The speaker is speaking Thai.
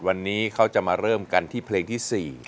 วันนี้เขาจะมาเริ่มกันที่เพลงที่๔